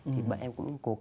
thì bạn em cũng